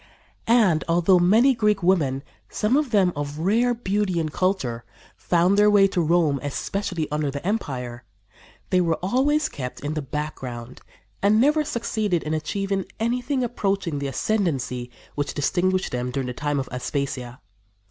And, although many Greek women, some of them of rare beauty and culture, found their way to Rome, especially under the empire, they were always kept in the background and never succeeded in achieving anything approaching the ascendancy which distinguished them during the time of Aspasia.